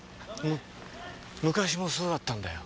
昔もそうだったんだよ。